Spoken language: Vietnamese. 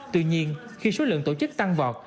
tuy nhiên khi số lượng tổ chức tăng vọt